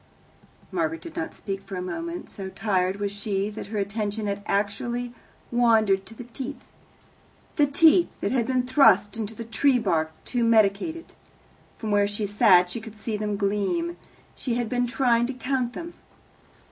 Margaret did not speak for a moment. So tired was she that her attention had actually wandered to the teeth the teeth that had been thrust into the tree's bark to medicate it. From where she sat she could see them gleam. She had been trying to count them.